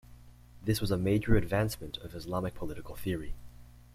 This was a major advancement of Islamic political theory.